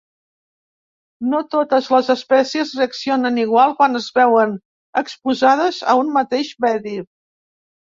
No totes les espècies reaccionen igual quan es veuen exposades a un mateix medi.